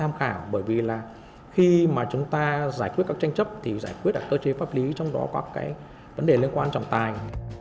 và có cái tham khảo bởi vì là khi mà chúng ta giải quyết các tranh chấp thì giải quyết các cơ chế pháp lý trong đó có cái vấn đề liên quan trọng tài